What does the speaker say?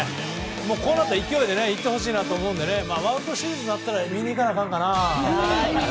こうなったら勢いでいってほしいなと思ったらワールドシリーズになったら見に行かなあかんかな。